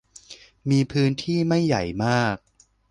มีพื้นที่ไม่ใหญ่มาก